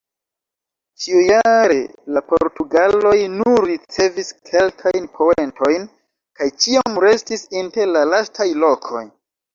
Ĉiujare la portugaloj nur ricevis kelkajn poentojn kaj ĉiam restis inter la lastaj lokoj.